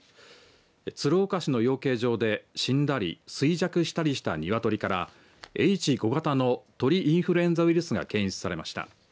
鶴岡市の養鶏場で、死んだり衰弱したりした鶏からＨ５型の鳥インフルエンザウイルスが検出されました。